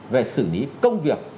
về xử lý công việc